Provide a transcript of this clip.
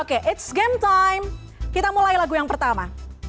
oke it's game time kita mulai lagu yang pertama